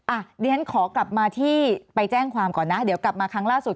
อ่ะเดี๋ยวฉันขอกลับมาที่ไปแจ้งความก่อนนะเดี๋ยวกลับมาครั้งล่าสุด